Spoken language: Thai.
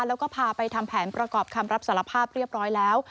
แล้วก็พาไปทำแผนประกอบคำรับสารภาพเรียบร้อยแล้ว